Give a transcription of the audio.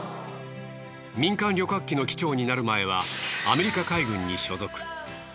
民間旅客機の機長になる前はアメリカ海軍に所属。